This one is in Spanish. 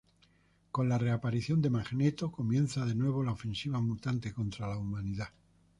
Con la reaparición de Magneto, comienzan de nuevo la ofensiva mutante contra la humanidad.